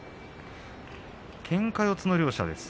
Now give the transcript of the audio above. けんか四つの両者です。